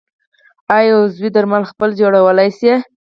آیا عضوي درمل پخپله جوړولی شم؟